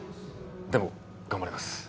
でも頑張ります。